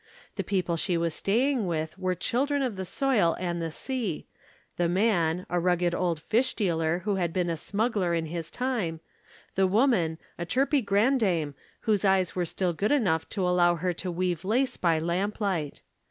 The people she was staying with were children of the soil and the sea the man, a rugged old fish dealer who had been a smuggler in his time; the woman, a chirpy grandame whose eyes were still good enough to allow her to weave lace by lamplight.